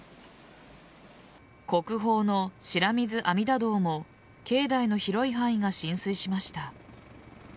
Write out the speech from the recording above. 国宝の白水阿弥陀堂も境内の広い範囲が浸水しました。